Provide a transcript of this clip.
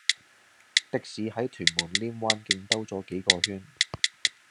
的士喺屯門稔灣徑兜左幾個圈